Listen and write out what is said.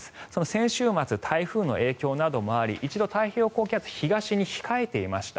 先週末、台風の影響などもあり一度、太平洋高気圧東に控えていました。